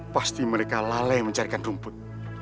pasti mereka lalai mencarikan rumput